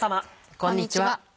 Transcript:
こんにちは。